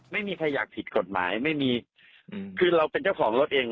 ไม่มีใครอยากผิดกฎหมายไม่มีคือเราเป็นเจ้าของรถเอง